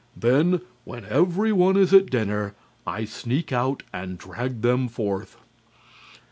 Then, when everyone is at dinner, I sneak out and drag them forth."